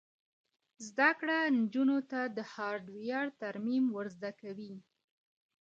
زده کړه نجونو ته د هارډویر ترمیم ور زده کوي.